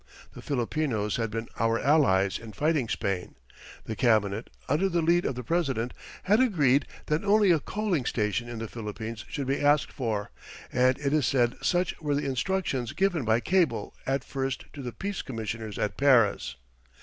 The Filipinos had been our allies in fighting Spain. The Cabinet, under the lead of the President, had agreed that only a coaling station in the Philippines should be asked for, and it is said such were the instructions given by cable at first to the Peace Commissioners at Paris.